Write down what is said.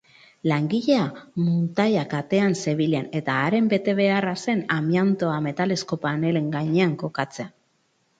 Langilea muntaia-katean zebilen, eta haren betebeharra zen amiantoa metalezko panelen gainean kokatzea.